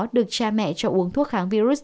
được cha mẹ cho uống thuốc kháng virus